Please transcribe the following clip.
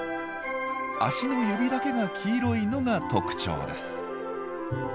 足の指だけが黄色いのが特徴です。